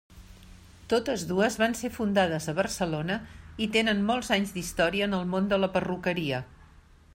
Totes dues van ser fundades a Barcelona i tenen molts anys d'història en el món de la perruqueria.